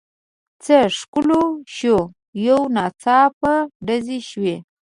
څه ښکالو شوه یو ناڅاپه ډز شو.